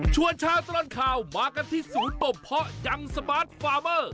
ชวนชาวตลอดข่าวมากันที่ศูนย์ปบเพาะจังสมาร์ทฟาร์เมอร์